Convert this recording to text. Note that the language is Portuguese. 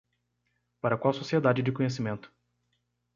Para qual sociedade de conhecimento.